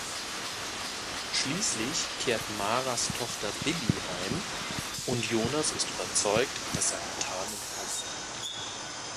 Schließlich kehrt Maras Tochter Billie heim, und Jonas ist überzeugt, dass seine Tarnung auffliegt.